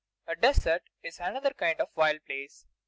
A desert is another kind of wild place.